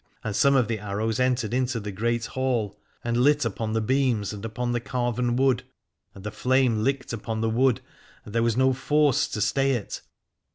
And some of the arrows entered into the Great Hall and lit upon the 359 Al adore beams and upon the carven wood : and the flame licked upon the wood, and there was no force to stay it.